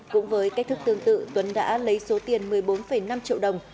cũng với cách thức tương tự tuấn đã lấy số tiền một mươi bốn năm triệu đồng